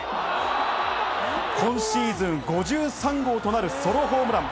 今シーズン５３号となるソロホームラン。